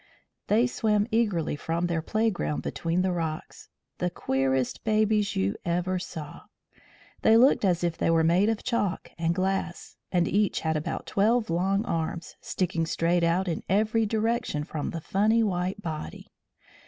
They swam eagerly from their playground between the rocks the queerest babies you ever saw. They looked as if they were made of chalk and glass; and each had about twelve long arms, sticking straight out in every direction from the funny white body.